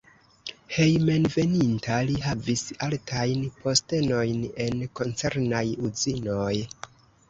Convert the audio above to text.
Hejmenveninta li havis altajn postenojn en koncernaj uzinoj.